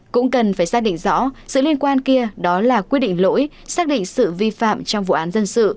cũng cần phải xác định rõ sự liên quan kia đó là quyết định lỗi xác định sự vi phạm trong vụ án dân sự